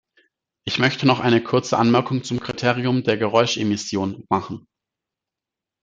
Ich möchte noch eine kurze Anmerkung zum Kriterium der Geräuschemission machen.